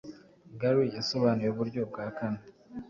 Gary yasobanuye uburyo bwa kane